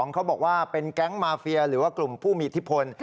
เขาบอกว่าเป็นแก๊งมาเฟียหรือว่ากลุ่มผู้มีอิทธิพล